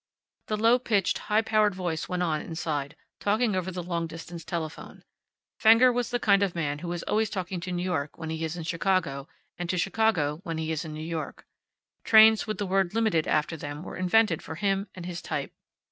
The low pitched, high powered voice went on inside, talking over the long distance telephone. Fenger was the kind of man who is always talking to New York when he is in Chicago, and to Chicago when he is in New York. Trains with the word Limited after them were invented for him and his type.